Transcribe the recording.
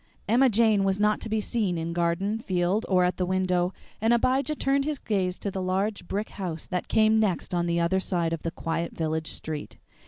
Emma Jane was not to be seen in garden, field, or at the window, and Abijah turned his gaze to the large brick house that came next on the other side of the quiet village street.